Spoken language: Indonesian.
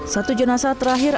satu jenasa terakhir